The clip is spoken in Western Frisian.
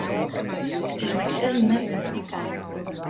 It is mei sizzen net te dwaan.